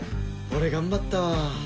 俺頑張ったわー」。